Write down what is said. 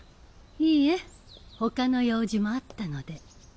いいえほかの用事もあったので。